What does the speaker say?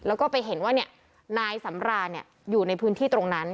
แล้วก็ไปเห็นว่านายสำรานอยู่ในพื้นที่ตรงนั้น